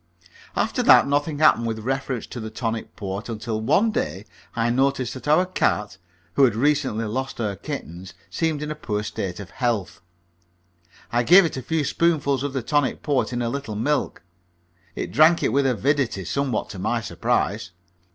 After that nothing happened with reference to the tonic port, until one day I noticed that our cat (who had recently lost her kittens) seemed in a poor state of health. I gave it a few spoonfuls of the tonic port in a little milk. It drank it with avidity, somewhat to my surprise.